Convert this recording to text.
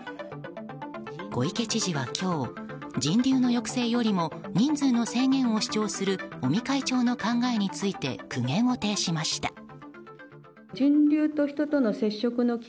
小池知事は今日人流の抑制よりも人数の制限を主張する尾身会長の考えについて苦言を呈しました。